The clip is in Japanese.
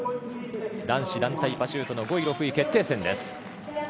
男子団体パシュートの５位６位決定戦です。